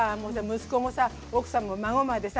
息子もさ奥さんも孫までさ